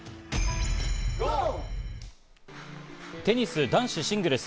テニス男子シングルス。